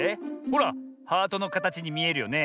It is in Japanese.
ほらハートのかたちにみえるよね。